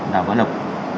đào bá lộc